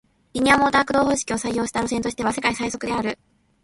リニアモーター駆動方式を採用した路線としては世界最速である